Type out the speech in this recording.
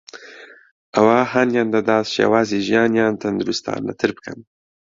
ئەوە هانیان دەدات شێوازی ژیانیان تەندروستانەتر بکەن